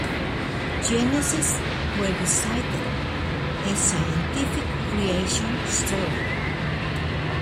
Genesis Revisited: A Scientific Creation Story.